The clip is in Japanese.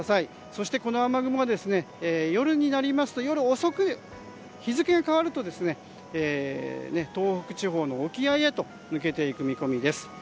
そして、この雨雲は夜遅く日付が変わると東北地方の沖合へと抜けていく見込みです。